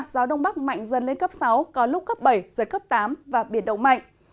gió đông bắc mạnh dần lên cấp sáu có lúc cấp bảy giật cấp tám và biển động mạnh